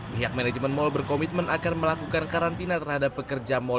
pihak manajemen mal berkomitmen akan melakukan karantina terhadap pekerja mal